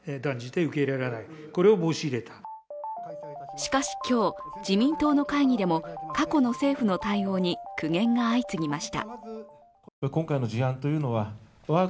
しかし今日、自民党の会議でも過去の政府の対応に苦言が相次ぎました。